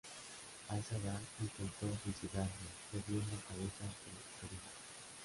A esa edad, intentó suicidarse bebiendo cabezas de cerillas.